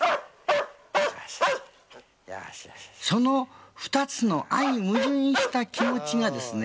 その２つの相矛盾した気持ちがですね